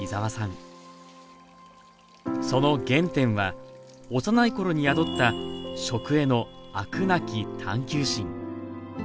その原点は幼い頃に宿った食への飽くなき探求心。